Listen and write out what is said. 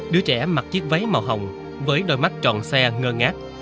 đứa trẻ mặc chiếc váy màu hồng với đôi mắt tròn xe ngơ ngát